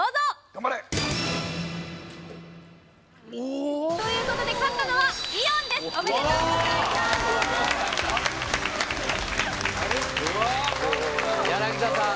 頑張れ！ということで勝ったのはイオンですおめでとうございます田さん